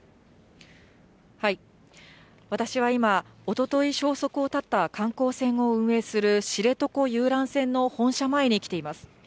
私は今、おととい消息を絶った観光船を運営する、知床遊覧船の本社前に来ています。